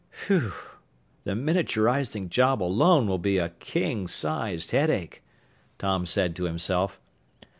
"Whew! The miniaturizing job alone will be a king sized headache!" Tom said to himself.